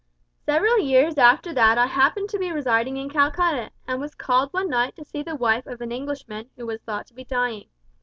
"Several years after that I happened to be residing in Calcutta, and was called one night to see the wife of an Englishman who was thought to be dying.